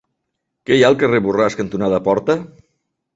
Què hi ha al carrer Borràs cantonada Porta?